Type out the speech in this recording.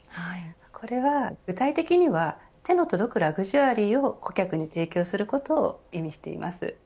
これは、具体的には手の届くラグジュアリーを顧客に提供することを意味しています。